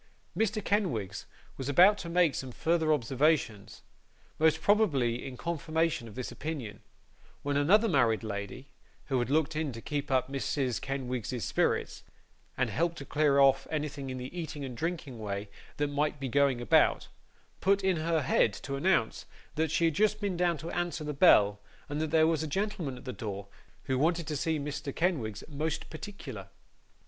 Mr. Kenwigs was about to make some further observations, most probably in confirmation of this opinion, when another married lady, who had looked in to keep up Mrs. Kenwigs's spirits, and help to clear off anything in the eating and drinking way that might be going about, put in her head to announce that she had just been down to answer the bell, and that there was a gentleman at the door who wanted to see Mr. Kenwigs 'most particular.